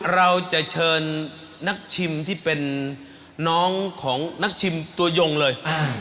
เราจะเชิญนักชิมที่เป็นน้องของนักชิมตัวยงเลย